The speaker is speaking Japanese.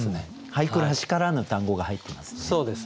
俳句らしからぬ単語が入ってますね。